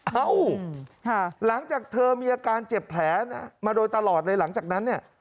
เอ้าหลังจากเธอมีอาการเจ็บแผลมาโดยตลอดในหลังจากนั้นเนี่ย